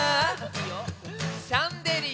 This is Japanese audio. シャンデリア！